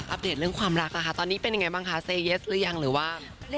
เดตเรื่องความรักนะคะตอนนี้เป็นยังไงบ้างคะเซเยสหรือยังหรือว่า